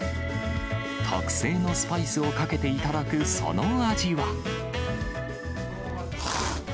特製のスパイスをかけて頂くその味は。